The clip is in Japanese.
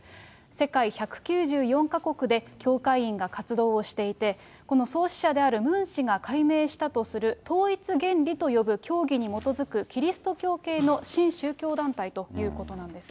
世界１９４か国で教会員が活動をしていて、この創始者であるムン氏が解明したとする統一原理と呼ぶ教義に基づくキリスト教系の新宗教団体ということなんです。